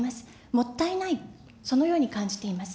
もったいない、そのように感じています。